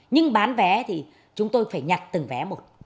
nhưng bán vé thì chúng tôi phải nhặt từng vé một